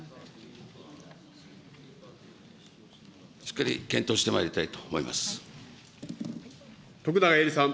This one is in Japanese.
しっかり検討してまいりたい徳永エリさん。